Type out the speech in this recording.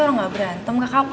orang gak berantem kakak